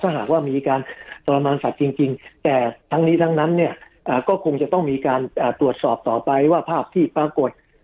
หากว่ามีการทรมานสัตว์จริงแต่ทั้งนี้ทั้งนั้นเนี่ยก็คงจะต้องมีการตรวจสอบต่อไปว่าภาพที่ปรากฏ